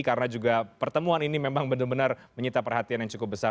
karena juga pertemuan ini memang benar benar menyita perhatian yang cukup besar